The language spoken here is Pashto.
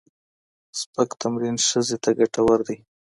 سپک تمرين ښځې ته ګټور دی